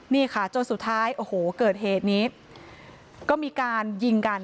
นี่ค่ะจนสุดท้ายโอ้โหเกิดเหตุนี้ก็มีการยิงกัน